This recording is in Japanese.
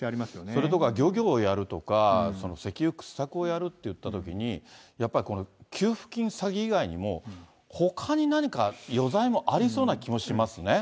それとか漁業をやるとか、石油掘削をやるっていったときに、やっぱり、この給付金詐欺以外にもほかに何か余罪もありそうな気もしますね。